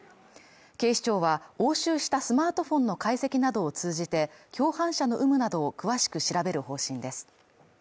警視庁は、押収したスマートフォンの解析などを通じて、共犯者の有無などを詳しく調べる方針です。